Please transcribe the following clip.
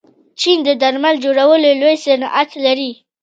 چین د درمل جوړولو لوی صنعت لري.